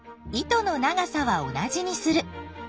糸の長さは同じにする。